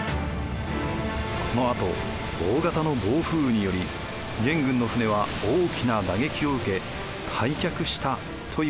このあと大型の暴風雨により元軍の船は大きな打撃を受け退却したといわれています。